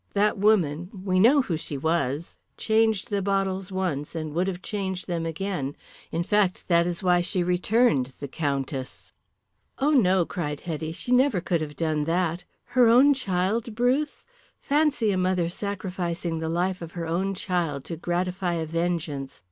That woman, we know who she was, changed the bottles once and would have changed them again, in fact that is why she returned the Countess." "Oh, no," Hetty cried. "She never could have done that. Her own child, Bruce? Fancy a mother sacrificing the life of her own child to gratify a vengeance!